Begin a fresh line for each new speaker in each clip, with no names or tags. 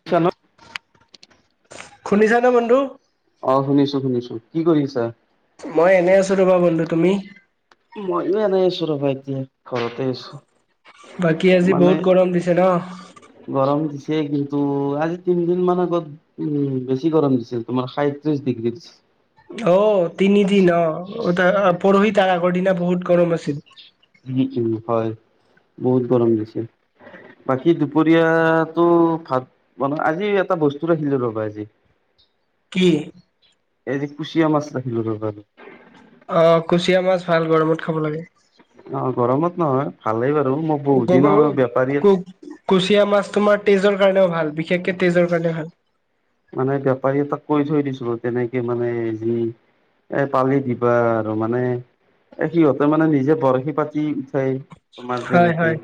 [unintelligible]
শুনিছা নে বন্ধু?
অ', শুনিছো শুনিছো কি কৰি আছা?
মই এনেই আছো ৰবা বন্ধু তুমি?
মইো এনোই আছো ৰবা, এতিয়া ঘৰতে আছো
বাকী আজি
মানে
বহুত গৰম দিছে ন
গৰম দিছে কিন্তু, আজি তিনিদিন মানে গ উম, বেছি গৰম দিছিল তোমাৰ সাইত্ৰিশ ডিগ্ৰীৰ
অ, তিনিদিন অ পৰহি তাৰ আগৰ দিনা বহুত গৰম আছিল
উম, উম, হয় বহুত গৰম দিছে বাকী, দুপৰীয়াাতটো ভাত বন আজি এটা বস্তু ৰাখিলো ৰ'বা আজি [unintelligible]
কি?
এই যে কুচিয়া মাছ ৰাখিলো ৰবা
অ, কুচিয়া মাছ ভাল গৰমত খাব লাগে
অ', ৰমত নহয়, ভালেই বাৰু মই বহুত
গগ
দিনৰ বেপাৰী
কু- কুচিয়া মাছ তোমাৰ তেজৰ কাৰণেও ভাল, বিশেষকে তেজৰ কাৰণেও ভাল
মানে, বেপাৰী এটাক কৈ থৈ দিছো তেনেকে মানে যি এ পালি দিবা আৰু মানে এ সিহঁতে মানে নিজে বৰশী পাতি উঠাই তোমাৰ
হয়
যেনেকি
হয়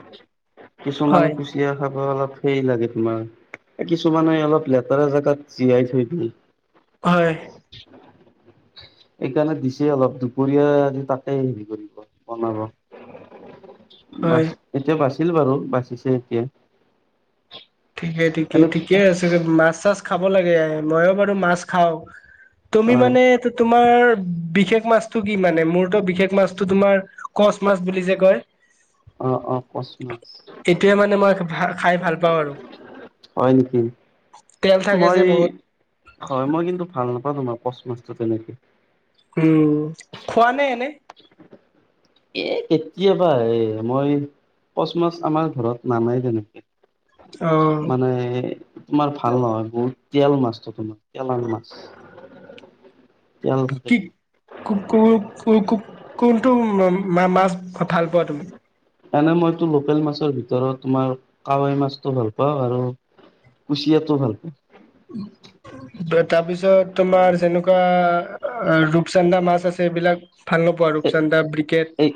কিছুমান
হয়
জিয় খাব অলপ সেই লাগে তোমাৰ কিছুমানে অলপ লেতেৰা জেগাত জিয়াই থৈ দিয়ে
হয়।
সেইকাৰণে দিছে অলপ দুপৰীয়া আ তাাকেই হেৰি কৰিব বনাব বাছ
হয়
এতিয়া বাচিল বাৰু, বাচিছে এতিয়া
ঠিকেই, ঠিকে,
এনে
ঠিকে, আছে মাছ চাছ খাব লাগে মইো বাৰু মাছ খাও তুমি
হয়
মান, তোমাৰ বিশেষ মাছটো কি মানে, মূৰত বিশেষ মাছটো তোমাৰ কচ মাছ বুলি যে কয়
অ', অ, অ, কচ মাছ
এইটোৱে মানে মই ভ খাই ভাল পাওঁ আৰু
হয়, নেকি
তেল থাকে যে
মই
বহুত
হয়, মই কিন্তু ভাল নাপাওঁ তোমাৰ পচ মাছটো তেনেকে
উম, খোৱা নে এনে
এ কেতিয়াবা, এ মই কচ মাছ আমাৰ ঘৰত নানাই তেনেকে
অ
মানে তোমাৰ ভাল নহয়, বহুত তেল মাছটো তোমাৰ তেলৰ মাছ তেল
কি
তোমাৰ
কো, কো, কো, কোনটো মাছ ভাল পোৱা তুমি?
এনে মইতো লোকেল মাছৰ ভিতৰত তোমাৰ কাৱাই মাছটো ভাল পাওঁ আৰু। কুচিয়াতো ভাল পাওঁ। [inaudible]
তাৰপিছত তোমাৰ যেনেকুৱা ৰূপচান্দা মাছ আছে এইবিলাক। ভাল নো পোৱাওঁ আৰু
এ
ৰূপচান্দা বি্কেট।
এই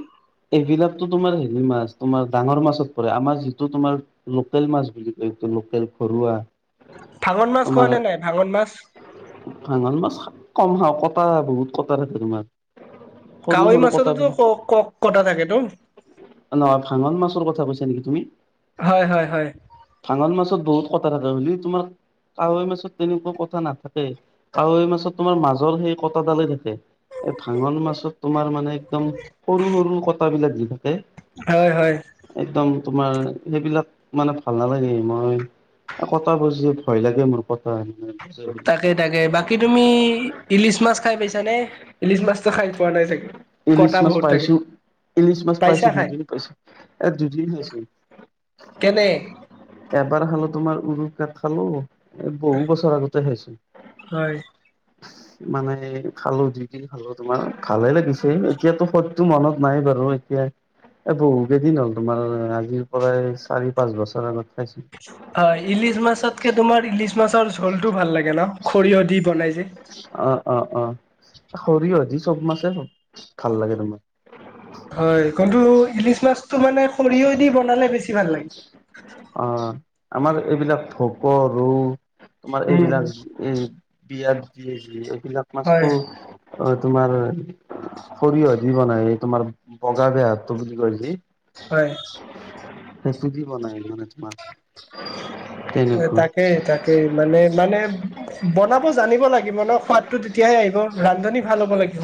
এইবিলাকতো তোমাৰ হেৰি মাছ, তোমাৰ ডাঙৰ মাছত পৰে আমাৰ যিটো তোমাৰ। লোকেল মাছ বুলি, কয় তো লোকেল ঘৰুৱা।
ভাঙন মাছ খোৱা
তোমাৰ
নে নাই ভাঙন মাছ?
ভাঙন মাছ কম খাওঁ, কটা বহুত কটা আ, তোমাৰ। সৰু
কাৱৈ
সৰু কটা
মাছততো
বুলি
ক, ক কটা থাকেটো।
নহয়, ভাঙন মাছৰ কথা কৈছা নেকি তুমি।
হয় হয় হয়
ভাঙন মাছত বহুত কথা থাকে বুলি তোমাৰ। কাৱৈ মাছত তেনেকুৱা কটা নাথাকেই কাৱৈ মাছত তোমাৰ মাজৰ সেই কটাডালেই থাকে। এ, ভাঙন মাছত তোমাৰ মানে একদম সৰু সৰু কটা বিলাক দি থাকে।
হয় হয়।
একদম তোমাৰ সেইবিলাক মানে ভাল নালাগে মই। কটা বজি ভয় লাগে মোৰ কটা
তাকে তাকে বাকী তুমি ইলিচ মাছ খাই পাইছা নে? ইলিচ মাছতো খাই পোৱা নাই চাগে।
ইলিছ
কটা
মাছ
বহুত থাকে
পাইছো ইলিছ মাছ পাইছো
পাইছা খাই
দুদিন পাইছো এ দুদিন পাইছো।
কেনে?
এবাৰ খালো তোমাৰ উৰু ক খালো এ বহু বছৰ আগতে খাইছো।
হয়।
মানে খালো যই কিনি খালো তোমাৰ ভালে লাগিছে এতিয়াতো সত। সটো মনত নাই বাৰু এতিয়া। এ, বহুকেইদিন হ'ল তোমাৰ আজিৰ পৰাই চাৰি পাঁচ বছৰ আগত খাইছো।
হয়, ইলিচ মাছতকে তোমাৰ ইলিচ মাছৰ জোলটো ভাল লাগে ন, সৰিয়হ দি বনাই যে।
অ, অ, অ, সৰিয়হ দি চব মাছে ভাল লাগে তোমাৰ।
হয়,, কন্তু ইলিছ মাছটো মানে সৰিয়হ দি বনালে বেছি ভাল লাগে।
অ, আমাৰ এইবিলাক ভোক ৰৌ তোমাৰ
উম
এইবিলাক। উম, বিয়াত যি যি এইবিলাক
হয়।
মাছটো অ, তোমাৰ সৰিয়হ দি বনাই এই তোমাৰ বগা বেয়া হটো বুলি কয় যে
হয়।
সেইটো দি বনাই মানে তোমাৰ
এ,
তেনেকুৱা
তাকেই তাকেই মানে মানে বনাব জানিব লাগ লাগিব ন সোৱাদটো তেতিয়াহে আহিব ৰান্ধনী ভাল হ'ব লাগিব।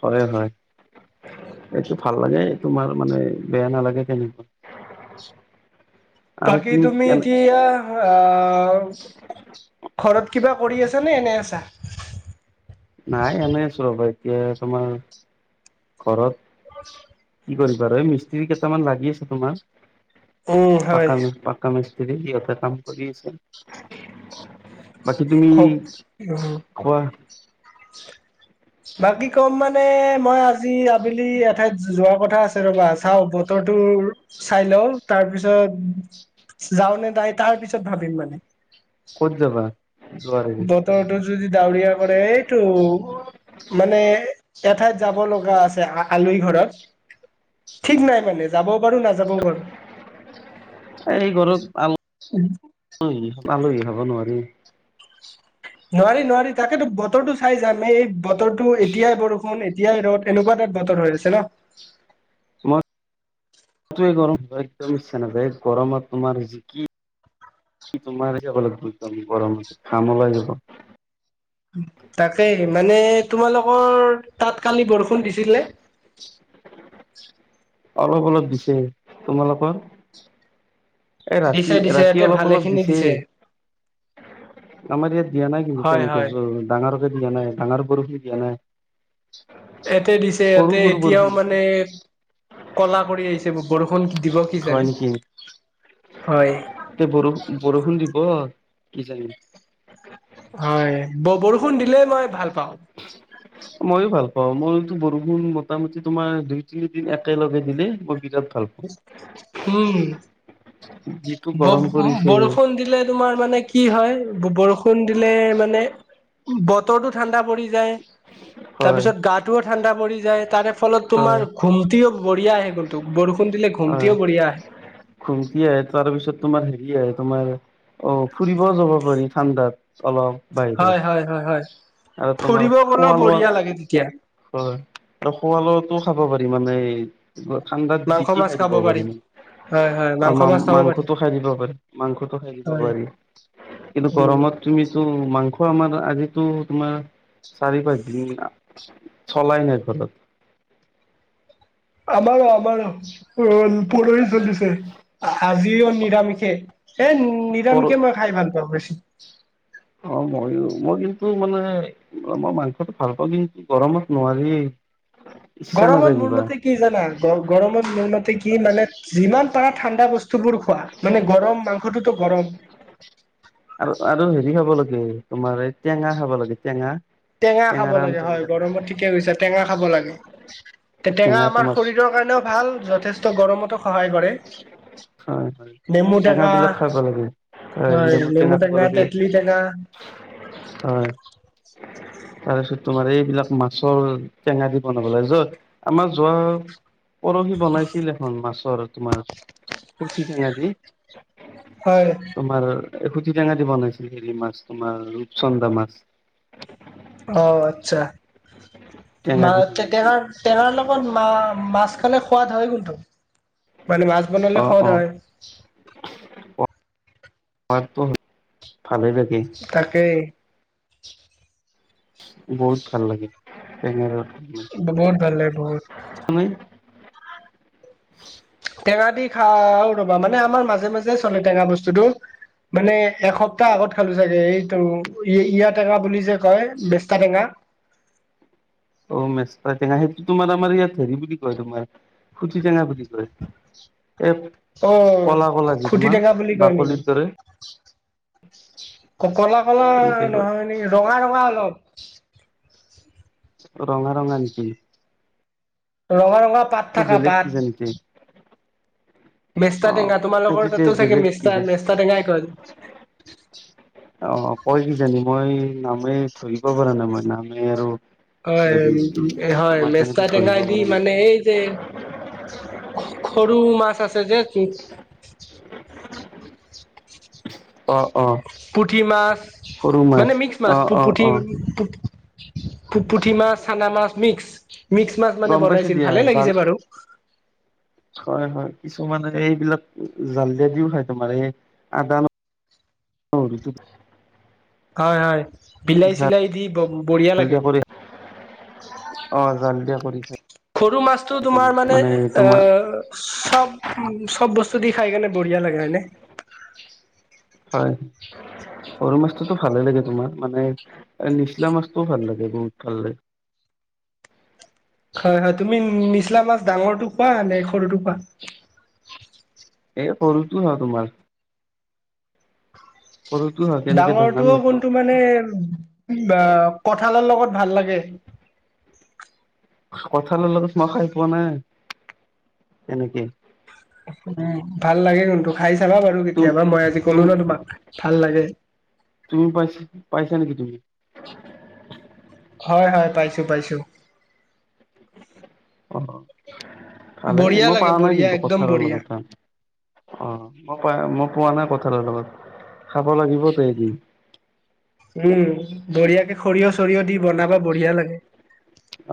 হয় হয়। এইটো ভাল লাগে তোমাৰ মানে বেয়া নালাগে কেনেকুৱা। [inaudible]
বাকি তুমি এতিয়া। আহ', ঘৰত কিবা কৰি আছা নে এনে আছা?
নাই এনেই আছো ৰ'বা এতিয়া তোমাৰ। ঘৰত।
[inaudible]
কি কৰিবা আৰু এই মিস্ত্ৰী কেইটামান লাগি আছে তোমাৰ
উম হয়।
পকা কা, মিস্ত্ৰী সিহঁতে কাম কৰি আছে। বাকী তুমি
কওক উম।
কোৱা?
বাকী কম মানে, মই আজি আবেলি এঠাইত যোৱা কথা আছে ৰ'বা চাও ব বতৰটো চাই লওঁ তাৰপিছত যাওঁ নে তাই তাৰ পিছত ভাবিম মানে।
ক'ত যাবা? যোৱাৰ
বতৰটো যদি ডাৱৰীয়া কৰে এইটো মানে এঠাইত যাব লগা আছে আলহী ঘৰত। ঠিক নাই মানে যাবও পাৰো নাযা
এই ঘৰত আল অ' আলহী খাব নোৱাৰি।
নোৱাৰি নোৱাৰি তাকেতো বতৰটো চাই যাম এই এই বতৰটো এতিয়াই বৰষুণ এতিয়াই ৰ'দ এনেকুৱা তাত বতৰ হৈ আছে ন।
মই [unintelligible] একদম ইচ্ছা নাযায় গৰমত তোমাৰ যে কি কি তোমাৰ যাব গৰমতে ঘাম ওলাই যাব।
তাকে মানে তোমালোকৰ তাত কালি বৰষুণ দিছিল নে?
অলপ অলপ দিছে তোমালোকৰ? এ ৰাতি
দিছে দিছে
ৰাতি
ইয়াতে
অলপ
ভালে
অলপ
খিনি
দিছে। আমাৰ ইয়াত দিয়া নাই কিন্তু
হয়
তেনেকে
হয়
জ ডাঙৰকে দিয়া নাই ডাঙৰ বৰষুন দিয়া নাই।
ইয়াতে দিছে
সৰু
ইয়াতে
সৰু
এতিয়াও
বৰষুণ দিছে
মানে কলা কৰি আহিছে বৰষুণ দিব কি
হয়
জানি হয়
বৰ-বৰষুণ দিব কি জানি।
হয়, ব-বৰষুণ দিলে মই ভাল পাওঁ।
মইো ভাল পাও মইতো বৰষুণ মোটামুটি তোমাৰ দুই তিনিদিন একেলগে দিলে মই বিৰাট ভাল পাওঁ।
উম,
যিটো গৰম পৰিছে
ব-বৰষূণ দিলে তোমাৰ মানে কি হয় ব-বৰষুণ দিলে মানে বতৰটো ঠাণ্ডা পৰি যায়
হয়
তাৰপিছত গাটোও ঠাণ্ডা পৰি যায় তাৰে ফলত
হয়
তোমাৰ ঘুমটিও বঢ়িয়া আহে কিন্তু বৰষুণ দিলে
হয়
ঘুমটিও বঢ়িয়া আহে।
ঘুমটি আহে তাৰপিছত তোমাৰ হেৰি আহে তোমাৰ অ, ফুৰিব যাব পাৰি ঠাণ্ডাত অলপ। বাহিৰত
হয় হয় হয় হয়
আৰু তোমাৰ
ফুৰিব গলেও
খোৱা লোৱা
বঢ়িয়া লাগে তেতিয়া।
হয় আৰু শোৱালোৱাটো খাব পাৰি মানে ঠাণ্ডাত যি
মাংস
টি
মাছ
খাই দিব
খাব পাৰি
পাৰিম।
হয় হয়
অ,
মাংস
মা
মাছ খাব পাৰি
মাংসটো খাই দিব পাৰি মাংসটো খাই দিব
হয়
পাৰি কিন্তু
উম
গৰমত, তুমিতো মাংস আমাৰ আজিতো তোমাৰ চাৰি পাঁচ দিন চলাই নাই ঘৰত।
আমাৰো আমাৰো পুৰহি চলিছে আজিও নিৰামিষে। এ
পৰ
নিৰামিষে মই খাই ভাল পাওঁ বেছি।
অ, মইয়ো মই কিন্তু মানে মই মাংসটো ভাল পাওঁ কিন্তু গৰমত নোৱাৰি। [inaudible]
গৰমত মোৰ
কিবা
মতে কি জানা? গ-গৰমত মোৰ মতে কি মানে যিমান পাৰা ঠাণ্ডা বস্তু বোৰ খোৱা মানে গৰম মাংসটোতো গৰম,
আৰু আৰু হেৰি খাব লাগে তোমাৰ এই টেঙা খাব লাগে টেঙা।
টেঙা খাব
টেঙাৰ
লাগে হয়,
আঞ্জাবিলাক
গৰমত ঠিকে গৈছে টেঙা খাব লাগে। টে-টেঙা
টেঙা
আমাৰ
তোমাৰ
শৰীৰৰ কাৰণেও ভাল যথেষ্ট গৰমতো সহায় কৰে।
হয় হয়
নেমু টেঙা।
বিলাক খাব লাগে
হয়, নেমু টেঙা তেতলি টেঙা।
হয়, তাৰ পিছত তোমাৰ এইবিলাক মাছৰ টেঙা দি বনাব লাগে যত আমাৰ যোৱা পৰহি বনাইছিল এখন মাছৰ তোমাৰ কৰ্ঠি ঠেঙা দি।
হয়,
তোমাৰ [inaudible] টেঙা দি বনাইছিল হেৰি মাছ তোমাৰ ৰূপচন্দা মাছ।
অ, আচ্ছআ,
টেঙা দি
[inaudible]
বনাইছিল
তেটৰাৰ লগত মা মাছ খে সোৱাদ হয় কিন্তু। মানে মাছ বনালে সোৱজ হয়।
পাত ভালেই থাকে।
তাকেই
বহুত ভাল লাগে বেঙ
বহুত ভাল ল বহুত।
হয়।
টেঙা দি খাও ৰবা মানে আমাৰ মাজে মাজে চলে টেঙা বস্তুটো মানে এসপ্তাহ আগত খালো চাগে এইটো ইয়া টেঙা বুলি যে কয় বেস্তা টেঙা।
অ' মেচা টেঙা সেইটো তোমাৰ আমাৰ ইয়াত হেৰি বুলি কয় তোমাৰ খুটি টেঙা বুলি কয়। এই
অ'
কলা কলা যি তোমাৰ
খুটিটেঙা বুলি কয় নেকি।
বাকলিৰ দৰে
কলা কলা
এনেকে কয়
নহয় নেকি ৰঙা ৰঙা অলপ।
ৰঙা ৰঙা নেকি।
ৰঙা ৰঙা পাত
টো
থাকা
বেলেগ
পাত
কিছে নেকি? অ
মেষ্টা টেঙা তোমালোকৰ
সেইটোতে
তাতো চাগে
বেলেগ
মেষ্টা
কিজানি
মেষ্টা টেঙাই কয়।
অ' কই কি জানি মই নামে ধৰিব পৰা নাই মই নামে আৰু
হয়,
হেৰি
উ, হয়
তোমাৰ তেনেকে
মেচা টেঙা
ধৰিব
দি
পৰা নাই
মানে এই যে সৰু মাছ আছে যেহেতু
অ', অ'
পুঠি মাছ
সৰু
মানে মিক্স মাছ
অ অ
পুঠি
অ
পুঠি মাছ চানা মাছ মিক্স মিক্স মাছ মানে
গম পাইছো
বনাইছিল
দিয়া
ভালে
জাল
লাগিছে বাৰু।
হয়, হয় কিছুমানে এইবিলাক জাল দিয়া দিও হয় তোমাৰ এই আদা [unintelligible]
হয় হয় বিলাহী
জাল
চিলাই দি ব বঢ়িয়া লাগে।
দিয়া কৰি অ জাল দিয়া কৰি খাই
সৰু মাছটো তোমাৰ মানে এ চব চব বস্তু দি খাই কেনে বঢ়িয়া লাগে হয়নে।
হয়। সৰু মাছটোতো ভালে লাগে তোমাৰ মানে নিচলা মাছটোও ভাল লাগে বহুত ভাল লাগে।
হয়, হয়। তুমি নিচলা মাছ ডাঙৰটো খোৱা নে সৰুটো খোৱা?
এই সৰুটোৱা তোমাৰ। সৰুটো খাওঁ তেনেকে ডাঙৰ
ডাঙৰটোও
নাখাওঁ
কোনটো মানে কঁঠালৰ লগত ভাল লাগে।
কঁঠালৰ লগত মই খাই পোৱা নাই এনেকে।
উম, ভাল লাগে কিন্তু খাই চাবা বাৰু
তুম
কেতিয়াবা মই আজি
তুম
ক'লো ন তোমাক ভাল লাগে।
তুমি পাইছ পাইছা নেকি তুমি?
হয় হয় পাইছো পাইছো।
অ' ভালে যে
বঢ়িয়া
মই
লাগে
পোৱা নাই
বঢ়িয়া
কিন্তু
একদম
কঁঠালৰ
বঢ়িয়া
লগত খায়। অ' মই পাই মই পোৱা নাই কঁঠালৰ লগত। খাব লাগিব দে এদিন।
উম বঢ়িয়াকে সৰিয়হ চৰিয়হ দি বনাবা বঢ়িয়া লাগে।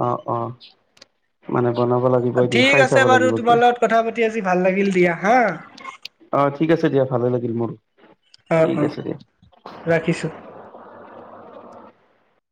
অ', অ' মানে বনাব লাগিব। এদিন
ঠিক
খাই
আছে
চাব
বাৰু
লাগিব কি
তোমাৰ লগত কথা পাতি আজি ভাল লাগিল দিয়া হা।
অ' ঠিক আছে দিয়া ভালে লাগিল মোৰ।
অ', অ' ৰাখিছো।